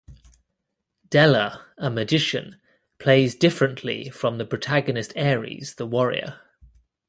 Dela, a magician, plays differently from the protagonist Ares the warrior.